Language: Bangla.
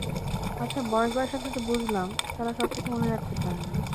আচ্ছা, বয়স বাড়ার সাথে সাথে বুঝলাম, তারা সবকিছু মনে রাখতে পারে না।